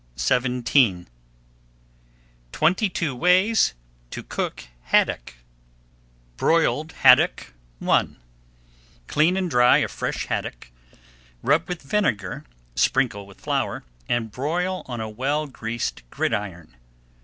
[Page 161] TWENTY TWO WAYS TO COOK HADDOCK BROILED HADDOCK I Clean and dry a fresh haddock, rub with vinegar, sprinkle with flour, and broil on a well greased gridiron.